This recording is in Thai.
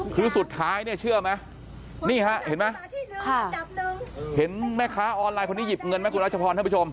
คือสุดท้ายเนี่ยเชื่อไหมนี่ฮะเห็นไหมเห็นแม่ค้าออนไลน์คนนี้หยิบเงินไหมคุณรัชพรท่านผู้ชม